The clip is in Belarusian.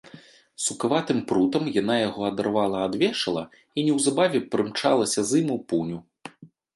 Сукаватым прутам яна яго адарвала ад вешала і неўзабаве прымчалася з ім у пуню.